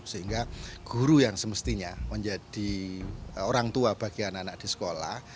sehingga guru yang semestinya menjadi orang tua bagian anak anak di sekolah